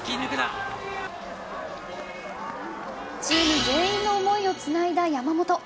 チーム全員の思いをつないだ山本。